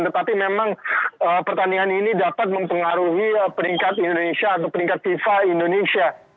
tetapi memang pertandingan ini dapat mempengaruhi peringkat indonesia atau peringkat fifa indonesia